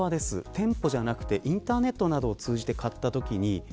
店舗じゃなくてインターネットなどを通じて買ったときです。